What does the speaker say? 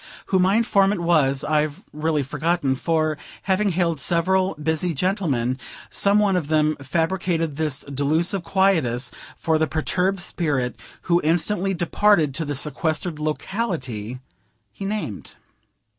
Who my informant was I've really forgotten; for, having hailed several busy gentlemen, some one of them fabricated this delusive quietus for the perturbed spirit, who instantly departed to the sequestered locality he named.